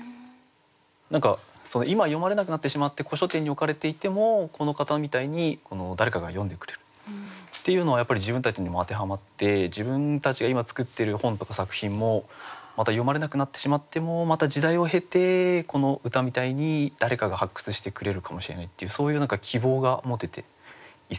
何か今は読まれなくなってしまって古書店に置かれていてもこの方みたいに誰かが読んでくれるっていうのはやっぱり自分たちにも当てはまって自分たちが今作ってる本とか作品もまた読まれなくなってしまってもまた時代を経てこの歌みたいに誰かが発掘してくれるかもしれないっていうそういう何か希望が持てて一席に選びました。